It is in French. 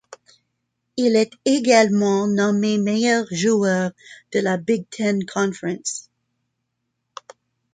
Il est également nommé meilleur joueur de la Big Ten Conference.